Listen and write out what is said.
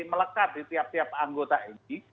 melekat di tiap tiap anggota ini